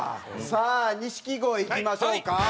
さあ錦鯉いきましょうか。